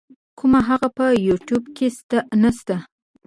کوومه هغه په یو يټیوب کی نسته.